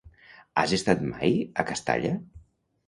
Has estat mai a Castalla?